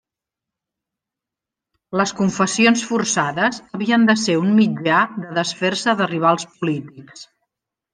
Les confessions forçades havien de ser un mitjà de desfer-se de rivals polítics.